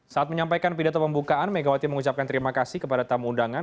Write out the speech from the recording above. saat menyampaikan pidato pembukaan megawati mengucapkan terima kasih kepada tamu undangan